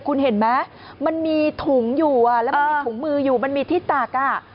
คุณเห็นไหมมันมีถุงอยู่แล้วมันมีถุงมืออยู่มันมีที่ตักอ่ะ